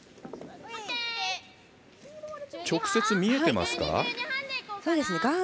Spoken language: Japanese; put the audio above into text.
直接見えていますか？